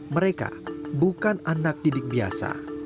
mereka bukan anak didik biasa